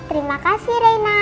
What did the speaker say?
terima kasih rena